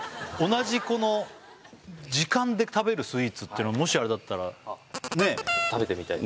同じこの時間で食べるスイーツっていうのもしあれだったらねえ食べてみたいです